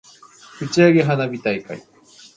打ち上げ花火大会